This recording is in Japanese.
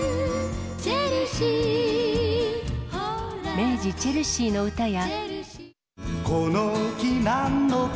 明治チェルシーの唄や。